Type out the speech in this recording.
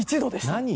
何？